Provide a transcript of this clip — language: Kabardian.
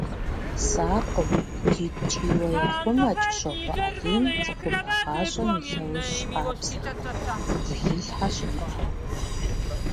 Сакъыу икӀи ткӀийуэ ехъумэ КӀыщокъуэ Алим цӀыхубэ гъащӀэм и лӀэужь къабзэхэр, зыхилъхьэ щымыӀэу.